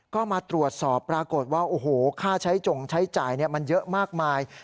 ก็มาตรวจสอบปรากฏว่าโอ้โหค่าใช้จงใช้จ่ายมันเยอะมากมาย